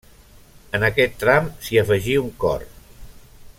En aquest tram s'hi afegí un cor.